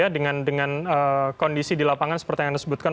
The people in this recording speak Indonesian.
dengan kondisi di lapangan seperti yang anda sebutkan